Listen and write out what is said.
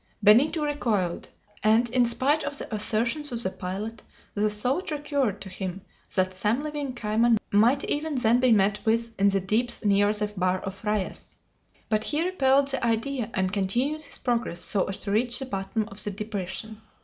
Benito recoiled, and, in spite of the assertions of the pilot, the thought recurred to him that some living cayman might even then be met with in the deeps near the Bar of Frias! But he repelled the idea, and continued his progress, so as to reach the bottom of the depression.